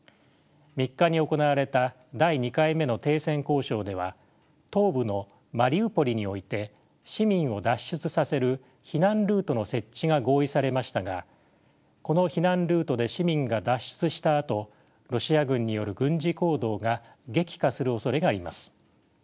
３日に行われた第２回目の停戦交渉では東部のマリウポリにおいて市民を脱出させる避難ルートの設置が合意されましたがこの避難ルートで市民が脱出したあとロシア軍による軍事行動が激化するおそれがあります。